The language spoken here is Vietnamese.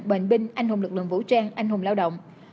bệnh binh anh hùng lực lượng vũ trang anh hùng lao động